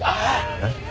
えっ？